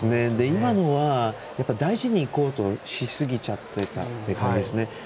今のは、大事にいこうとしすぎちゃってたっていう感じですね。